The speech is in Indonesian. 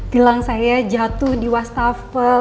tilang saya jatuh di wastafel